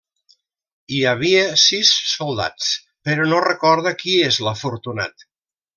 Hi havia sis soldats, però no recorda qui és l'afortunat.